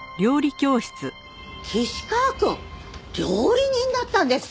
岸川くん料理人だったんですか！